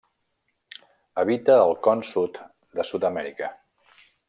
Habita el Con Sud de Sud-amèrica.